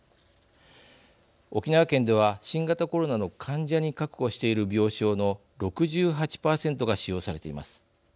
沖縄県では新型コロナの患者に確保している病床の６８％が使用されています。